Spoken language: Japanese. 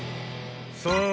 ［さあ